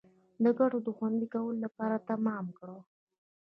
د ګټو د خوندي کولو لپاره تمام کړ.